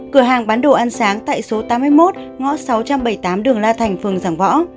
cửa hàng bán đồ ăn sáng tại số tám mươi một ngõ sáu trăm bảy mươi tám đường la thành phường giảng võ